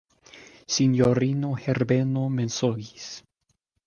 Sinjorino Herbeno mensogis.